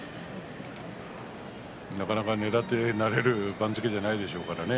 なかなかねらってなれる番付ではないですからね。